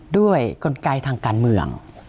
ด้วยกลไกทางการเมือง